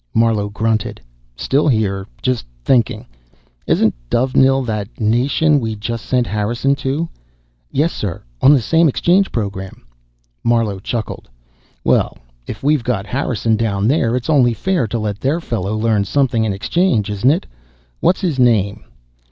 Marlowe grunted. "Still here. Just thinking. Isn't Dovenil that nation we just sent Harrison to?" "Yes, sir. On the same exchange program." Marlowe chuckled. "Well, if we've got Harrison down there, it's only fair to let their fellow learn something in exchange, isn't it? What's his name?"